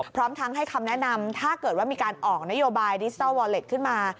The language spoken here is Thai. พร้อมทั้งให้คำแนะนำถ้าเกิดว่ามีการออกนโยบายดิจิทัลวอเล็ตขึ้นมา